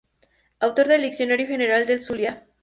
Autor del "Diccionario General del Zulia".